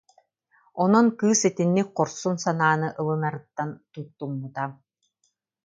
Онон кыыс итинник хорсун санааны ылынарыттан туттуммута